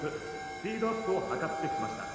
スピードアップを図ってきました。